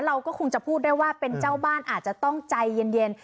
เราก็คงจะพูดได้ว่าเป็นเจ้าบ้านอาจจะต้องใจเย็น